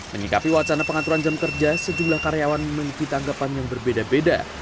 menyikapi wacana pengaturan jam kerja sejumlah karyawan memiliki tanggapan yang berbeda beda